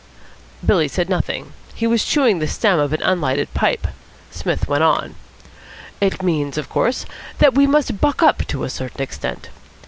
Billy said nothing. He was chewing the stem of an unlighted pipe. Psmith went on. "It means, of course, that we must buck up to a certain extent.